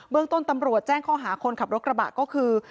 เรื่องต้นตำรวจแจ้งข้อหาคนขับรถกระบะก็คือ